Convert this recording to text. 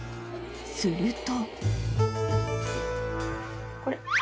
［すると］